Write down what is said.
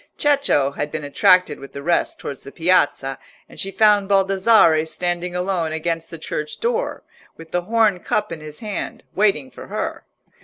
Cecco had been attracted with the rest towards the Piazza, and she found Baldassarre standing alone against the church door, with the horn cup in his hand, waiting for her.